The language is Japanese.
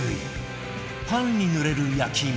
パンに塗れる焼き芋！